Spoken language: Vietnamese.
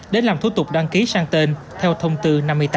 để làm thủ tục đăng ký sang tên theo thông tư năm mươi tám